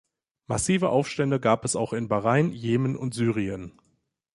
Massive Aufstände gab es auch in Bahrain, Jemen und Syrien.